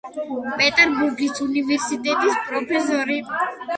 პეტერბურგის უნივერსიტეტის პროფესორი.